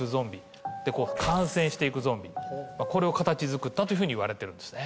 今みたいなこれを形づくったというふうにいわれてるんですね。